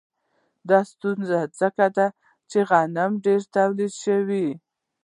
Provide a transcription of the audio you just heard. دا ستونزه ځکه ده چې غنم ډېر تولید شوي